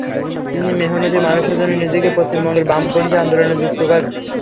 তিনি মেহনতি মানুষের জন্য নিজেকে পশ্চিমবঙ্গের বামপন্থী আন্দোলনে যুক্ত করেন।